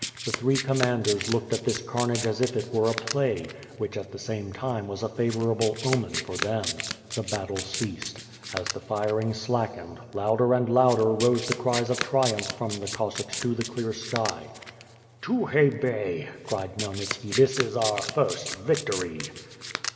The three commanders looked at this carnage as if it were a play, which at the same time was a favorable omen for them. The battle ceased. As the firing slackened, louder and louder rose the cries of triumph from the Cossacks to the clear sky. "Tukhay Bey!" cried Khmyelnitski, "this is our first vic tory."